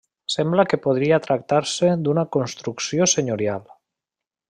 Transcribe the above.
Sembla que podria tractar-se d'una construcció senyorial.